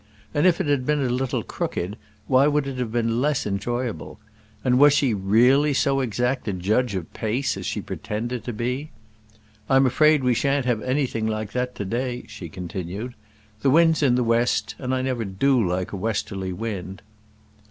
And if it had been a little crooked, why would it have been less enjoyable? And was she really so exact a judge of pace as she pretended to be? "I'm afraid we shan't have anything like that to day," she continued. "The wind's in the west, and I never do like a westerly wind."